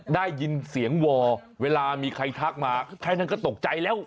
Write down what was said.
ได้ยินเสียงวอเวลามีใครทักมาแค่นั้นก็ตกใจแล้ว